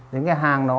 đến cái hang đó